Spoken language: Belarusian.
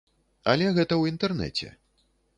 Але гэта ў інтэрнэце.